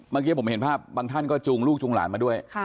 เมื่อกี้ผมเห็นภาพบางท่านก็จูงลูกจูงหลานมาด้วย